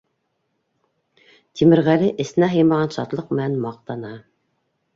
Тимерғәле эсенә һыймаған шатлыҡ менән маҡтана: